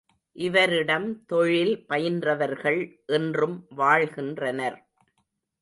இவரிடம் தொழில் பயின்றவர்கள் இன்றும் வாழ்கின்றனர்.